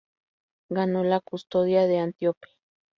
Ganó la custodia de Antíope.